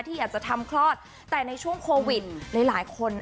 ที่อาจจะทำกลอดแต่ในช่วงก็หลายคน